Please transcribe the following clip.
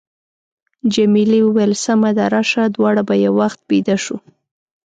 جميلې وويل:، سمه ده، راشه دواړه به یو وخت بېده شو.